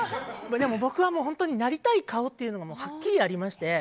でも、僕はなりたい顔っていうのがはっきりありまして。